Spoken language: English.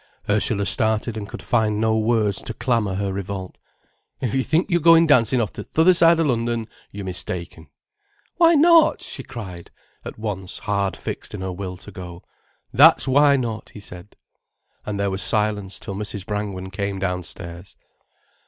Ursula started and could find no words to clamour her revolt. "If you think you're going dancin' off to th' other side of London, you're mistaken." "Why not?" she cried, at once hard fixed in her will to go. "That's why not," he said. And there was silence till Mrs. Brangwen came downstairs.